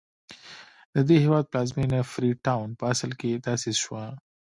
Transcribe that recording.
د دې هېواد پلازمېنه فري ټاون په اصل کې تاسیس شوه.